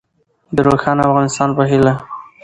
د روښانه افغانستان په هیله.